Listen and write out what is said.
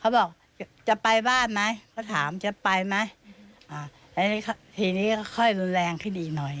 บอกจะไปบ้านไหมเขาถามจะไปไหมอ่าแล้วทีนี้ก็ค่อยรุนแรงพี่ดีหน่อย